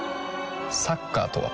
サッカーとは？